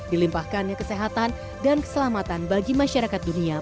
dilimpahkannya kesehatan dan keselamatan bagi masyarakat dunia